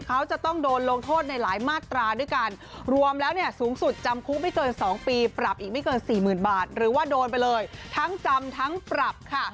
เขาจะต้องโดนลงโทษในหลายมาตราด้วยกันรวมแล้วเนี่ยสูงสุดจำคุกไม่เกิน๒ปีปรับอีกไม่เกินสี่หมื่นบาทหรือว่าโดนไปเลยทั้งจำทั้งปรับค่ะ